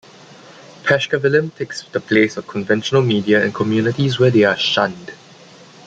"Pashkevillim" take the place of conventional media in communities where they are shunned.